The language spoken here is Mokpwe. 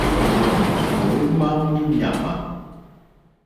Mǒémá mó ɲàmà.